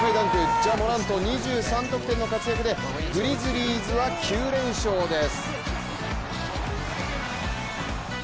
ジャ・モラント、２３得点の活躍でグリズリーズは９連勝です。